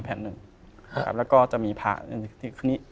แผ่นหนึ่งครับแล้วก็จะมีผาอันนี้